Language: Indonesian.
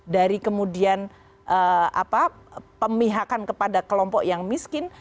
dari kemudian pemihakan kepada kelompok yang miskin